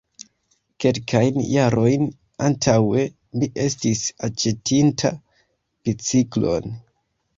Kelkajn jarojn antaŭe mi estis aĉetinta biciklon.